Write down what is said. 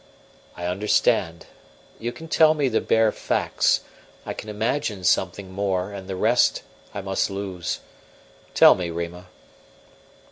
"I understand. You can tell the bare facts. I can imagine something more, and the rest I must lose. Tell me, Rima."